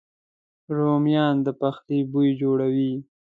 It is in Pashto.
رومیان د پخلي بوی جوړوي